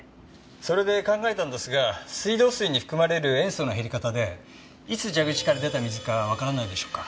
それで考えたんですが水道水に含まれる塩素の減り方でいつ蛇口から出た水かわからないでしょうか？